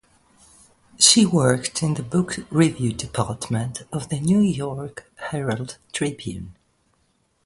She worked in the book review department of the "New York Herald Tribune".